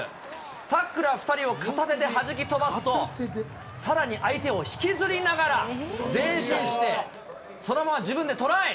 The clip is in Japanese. タックラー２人を片手ではじき飛ばすと、さらに相手を引きずりながら前進して、そのまま自分でトライ。